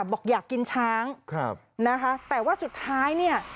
บอกอยากกินช้างครับนะคะแต่ว่าสุดท้ายเนี่ย